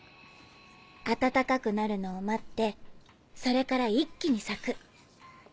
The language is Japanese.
暖かくなるのを待ってそれから一気に咲く。